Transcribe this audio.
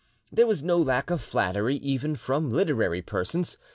There was no lack of flattery, even from literary persons.